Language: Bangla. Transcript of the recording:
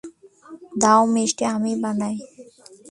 দাও মিষ্টি আমি বানাই।